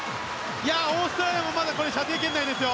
オーストラリアもまだ射程圏内ですよ。